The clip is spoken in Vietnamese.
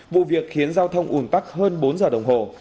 vụ việc khiến giao thông ủn tắc hơn bốn giờ đồng hồ